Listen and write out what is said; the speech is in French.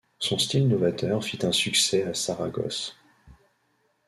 Son style novateur fit un succès à Saragosse.